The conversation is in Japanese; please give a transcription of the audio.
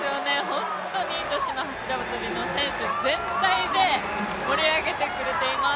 本当に女子の走幅跳の選手全体で盛り上げてくれています。